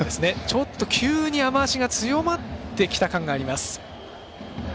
ちょっと急に雨足が強まってきた感があります。